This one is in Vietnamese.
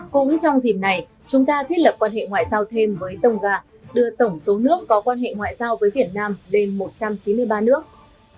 cũng trong dìm này chúng ta thiết lập quan hệ ngoại giao thêm với tông gà đưa tổng số nước có quan hệ ngoại giao với việt nam lên một trăm chín mươi ba nước